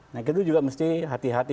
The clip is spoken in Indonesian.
nah kita juga mesti hati hati